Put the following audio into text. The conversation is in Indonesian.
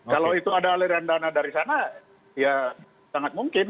kalau itu ada aliran dana dari sana ya sangat mungkin